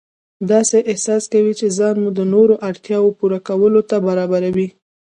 داسې احساس کوئ چې ځان مو د نورو اړتیاوو پوره کولو ته برابروئ.